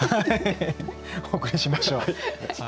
お送りしましょう。